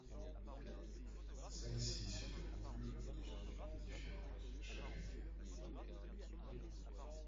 Celle-ci se déroule dans une ville différente chaque année.